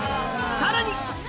さらに！